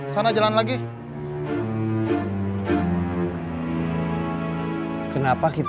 sana jalan lagi